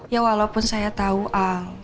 ya walaupun saya tahu a